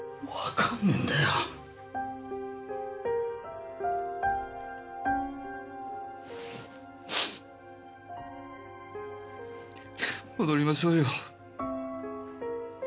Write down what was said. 戻りましょうよ。